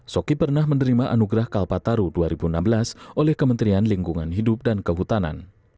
soki pernah menerima anugerah kalpataru dua ribu enam belas oleh kementerian lingkungan hidup dan kehutanan